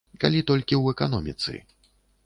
Калі толькі ў эканоміцы.